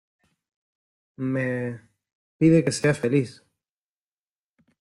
me... pide que sea feliz .